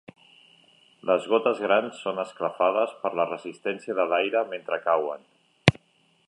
Les gotes grans són esclafades per la resistència de l'aire mentre cauen.